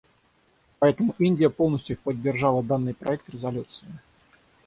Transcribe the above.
Поэтому Индия полностью поддержала данный проект резолюции.